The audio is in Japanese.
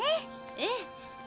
ええ。